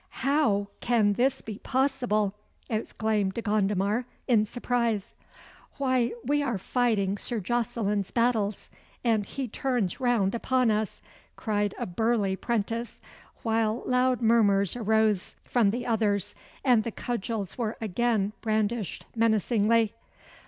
"How! can this be possible!" exclaimed De Gondomar in surprise. "Why, we are fighting Sir Jocelyn's battles, and he turns round upon us!" cried a burly 'prentice, while loud murmurs arose from the others, and the cudgels were again brandished menacingly.